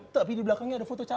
tapi dibelakangnya ada foto caleg